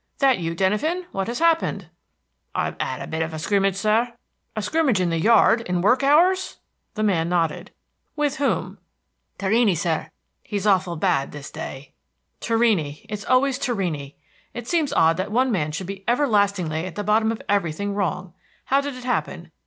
"That you, Denyven!... what has happened!" "I've 'ad a bit of a scrimmage, sir." "A scrimmage in the yard, in work hours!" The man nodded. "With whom?" "Torrini, sir, he's awful bad this day." "Torrini, it is always Torrini! It seems odd that one man should be everlastingly at the bottom of everything wrong. How did it happen?